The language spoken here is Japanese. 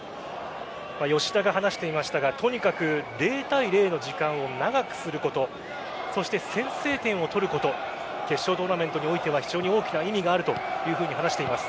吉田が話していましたがとにかく０対０の時間を長くすることそして先制点を取ること決勝トーナメントにおいては非常に大きな意味があると話しています。